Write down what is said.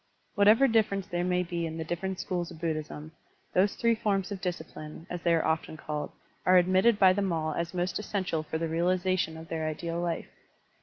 Whatever difference there may be in the different schools of Buddhism, those three forms Digitized by Google 148 SERMONS OF A BUDDHIST ABBOT of discipline, as they are often called, are admitted by them all as most essential for the realization of their ideal life.